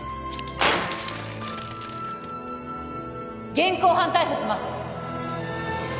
現行犯逮捕します